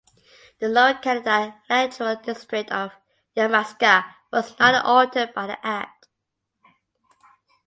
The Lower Canada electoral district of Yamaska was not altered by the Act.